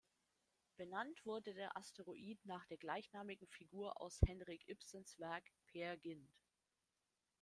Benannt wurde der Asteroid nach der gleichnamigen Figur aus Henrik Ibsens Werk "Peer Gynt".